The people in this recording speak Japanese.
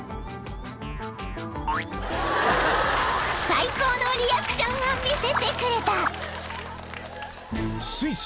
［最高のリアクションを見せてくれた］